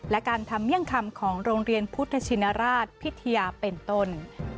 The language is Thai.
และการทำเมี่ยงคำของโรงเรียนพุทธชินราชพิทยาเป็นต้น